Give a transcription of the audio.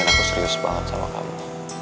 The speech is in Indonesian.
dan aku serius banget sama kamu